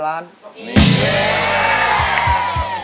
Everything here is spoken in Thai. แล้วมันต่อ